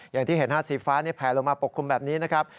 อย่างที่เห็นสีฟ้าแผลลงมาปกคลุมแบบนี้นะครับ